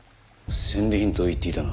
戦利品と言っていたな。